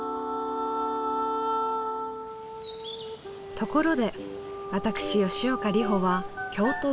ところで私吉岡里帆は京都生まれ。